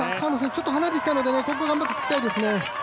ちょっと離れてきたのでここは頑張ってつきたいですよね。